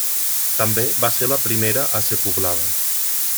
També va ser la primera a ser poblada.